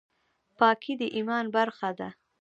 پاکي د ایمان برخه ده